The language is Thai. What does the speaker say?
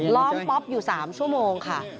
ล้อมป๊อปอยู่๓ชั่วโมงค่ะ